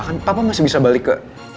kan papa masih bisa balik ke